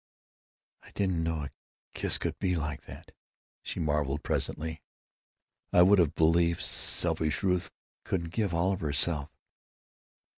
"I didn't know a kiss could be like that," she marveled, presently. "I wouldn't have believed selfish Ruth could give all of herself."